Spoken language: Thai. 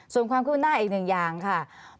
ส่วนความคืบหน้าอีกหนึ่งอย่างค่ะ